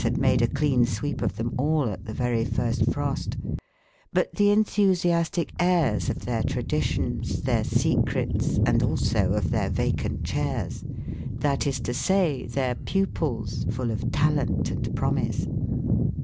had made a clean sweep of them all at the very first frost but the enthusiastic heirs of their traditions, their secrets, and also of their vacant chairs, that is to say, their pupils, full of talent and promise.